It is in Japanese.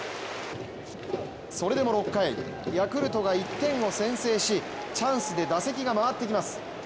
それでも６回、ヤクルトが１点を先制しチャンスで打席が回ってきます